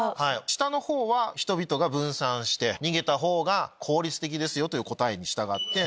下の方は人々が分散して逃げた方が効率的ですよという答えに従って。